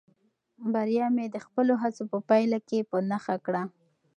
بریا مې د خپلو هڅو په پایله کې په نښه کړه.